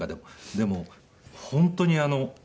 でも本当にあの。